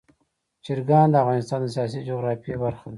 چرګان د افغانستان د سیاسي جغرافیه برخه ده.